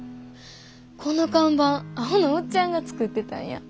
この看板アホのおっちゃんが作ってたんや。